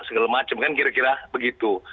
segala macam kan kira kira begitu